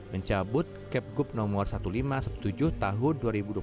mencabut kepkup no seribu lima ratus tujuh belas tahun dua ribu dua puluh satu